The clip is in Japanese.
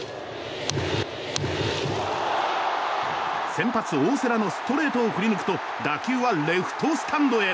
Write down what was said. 先発、大瀬良のストレートを振りぬくと打球はレフトスタンドへ。